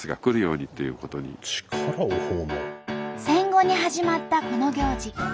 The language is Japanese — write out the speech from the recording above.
戦後に始まったこの行事。